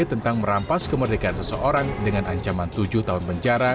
tentang merampas kemerdekaan seseorang dengan ancaman tujuh tahun penjara